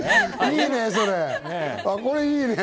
いいねぇ！